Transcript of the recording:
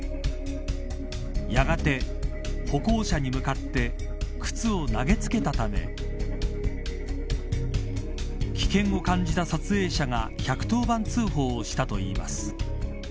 やがて歩行者に向かって靴を投げつけたため危険を感じた撮影者が１１０当番通報をしたといいます。